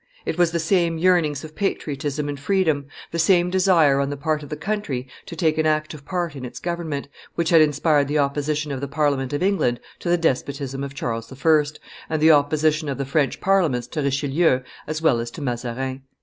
It was the same yearnings of patriotism and freedom, the same desire on the part of the country to take an active part in its own government, which had inspired the opposition of the Parliament of England to the despotism of Charles I., and the opposition of the French Parliaments to Richelieu as well as to Mazarin.